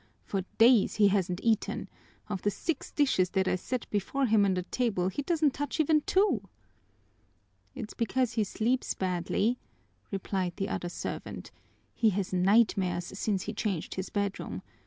"For days he hasn't eaten; of the six dishes that I set before him on the table he doesn't touch even two." "It's because he sleeps badly," replied the other servant. "He has nightmares since he changed his bedroom.